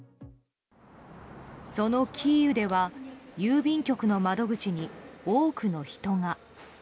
そのキーウでは郵便局の窓口に多くの人が。